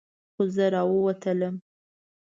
خو زه راووتلم.